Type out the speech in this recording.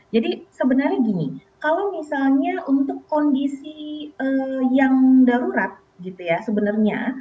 jadi sebenarnya gini kalau misalnya untuk kondisi yang darurat gitu ya sebenarnya